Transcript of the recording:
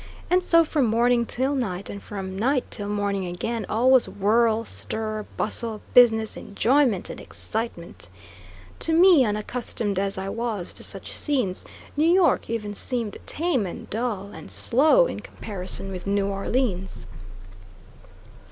And so, from morning till night, and from night till morning again, all was whirl, stir, bustle, business, enjoyment, and excitement. To me, unaccustomed as I was to such scenes, New York even seemed tame and dull, and slow in comparison with New Orleans.